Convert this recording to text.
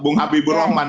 bung habibur rahman